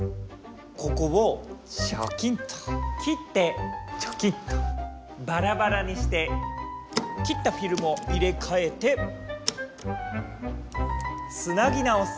ここをチョキンと切ってチョキッとバラバラにして切ったフィルムを入れ替えてつなぎ直す。